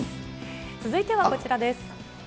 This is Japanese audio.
続いてはこちらです。